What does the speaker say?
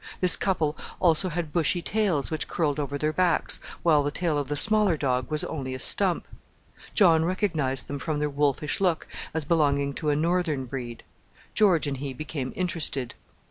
This couple also had bushy tails which curled over their backs, while the tail of the smaller dog was only a stump. John recognized them from their wolfish look as belonging to a Northern breed. George and he became interested.